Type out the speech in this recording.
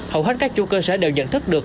hầu hết các chủ cơ sở đều nhận thức được